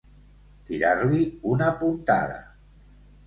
Tirar-li una puntada.